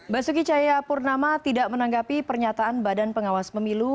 basuki chaya purnama tidak menanggapi pernyataan badan pengawas pemilu